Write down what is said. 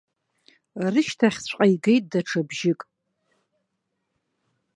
Рышьҭахьҵәҟьа игеит даҽа бжьык.